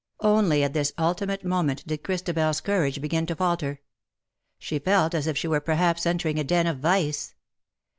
Only at this ultimate moment did Christabel's courage begin to falter. She felt as if she were perhaps entering a den of vice.